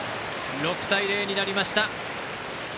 ６対０になりました。